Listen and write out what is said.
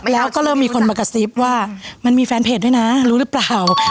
แล้วก็เริ่มมีคนมากระซิบว่ามันมีแฟนเพจด้วยนะรู้หรือเปล่า